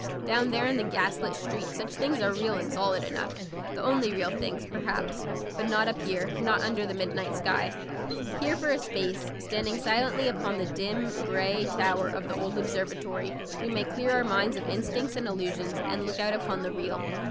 Down there in the gaslit street such things are real and solid enough, the only real things, perhaps; but not up here, not under the midnight sky. Here for a space, standing silently upon the dim, grey tower of the old observatory, we may clear our minds of instincts and illusions, and look out upon the real.